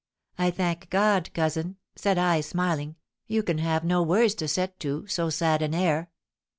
"I thank God, cousin," said I, smiling, "you can have no words to set to so sad an air."